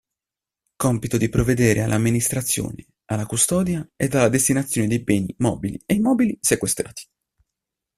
Compito di provvedere all'amministrazione, alla custodia ed alla destinazione dei beni mobili e immobili sequestrati.